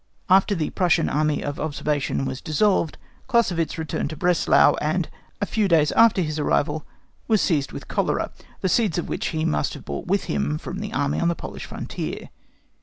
After the Prussian Army of Observation was dissolved, Clausewitz returned to Breslau, and a few days after his arrival was seized with cholera, the seeds of which he must have brought with him from the army on the Polish frontier.